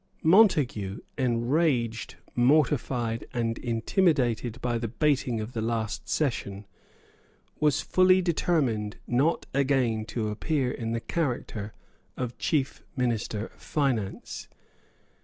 Montague, enraged, mortified, and intimidated by the baiting of the last session, was fully determined not again to appear in the character of chief minister of finance.